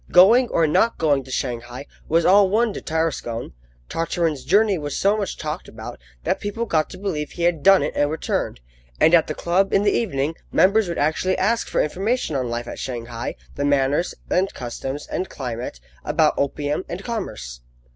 Going or not going to Shanghai was all one to Tarascon. Tartarin's journey was so much talked about that people got to believe he had done it and returned, and at the club in the evening members would actually ask for information on life at Shanghai, the manners and customs and climate, about opium, and commerce.